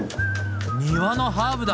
庭のハーブだ！